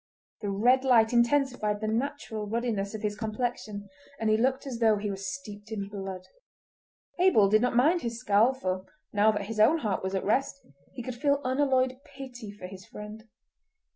The red light intensified the natural ruddiness of his complexion, and he looked as though he were steeped in blood. Abel did not mind his scowl, for now that his own heart was at rest he could feel unalloyed pity for his friend.